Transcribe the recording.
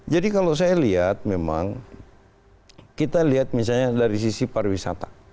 jadi kalau saya lihat memang kita lihat misalnya dari sisi pariwisata